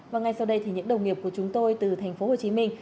và ngay sau đây thì những đồng nghiệp của chúng tôi từ thành phố hồ chí minh